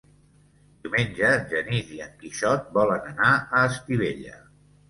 Diumenge en Genís i en Quixot volen anar a Estivella.